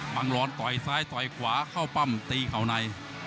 งร้อนต่อยซ้ายต่อยขวาเข้าปั้มตีเข่าใน